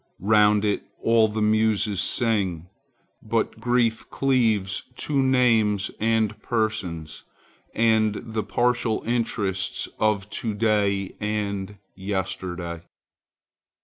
Round it all the Muses sing. But grief cleaves to names, and persons, and the partial interests of to day and yesterday.